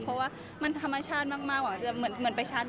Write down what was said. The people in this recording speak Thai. เพราะมันกันธรรมชาติมากเหมือนกับว่านี้